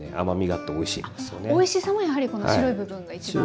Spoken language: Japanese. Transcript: あおいしさもやはり白い部分が一番。